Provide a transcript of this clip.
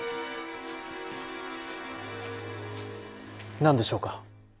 何でしょうか？